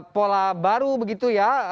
pola baru begitu ya